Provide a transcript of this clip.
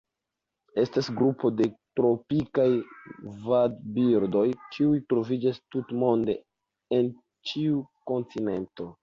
Estas grupo de tropikaj vadbirdoj kiuj troviĝas tutmonde en ĉiu kontinento.